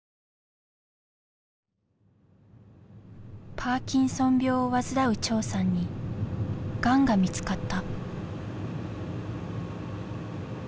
パーキンソン病を患う長さんにがんが見つかった。